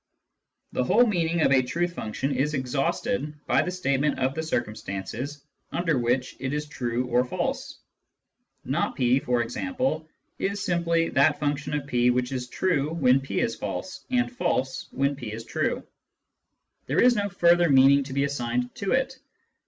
The whole meaning of a truth function is exhausted by the statement of the circumstances, under which it is true or false. " Not />," for example, is simply that function of p which is true when p is false, and false when /> is true : there is no further 148 Introduction to Mathematical Philosophy meaning to be assigned to it.